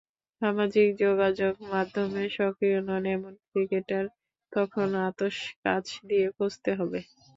সামাজিক যোগাযোগ মাধ্যমে সক্রিয় নন, এমন ক্রিকেটার এখন আতশ কাচ দিয়ে খুঁজতে হবে।